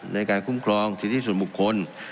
ในการคุ้มครองสิทธิส่วนบุคคล